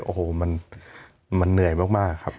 โอ้โหมันเหนื่อยมากครับ